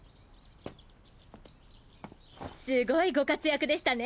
凄いご活躍でしたね